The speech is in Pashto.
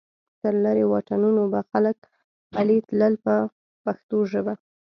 تر لرې واټنونو به خلک پلی تلل په پښتو ژبه.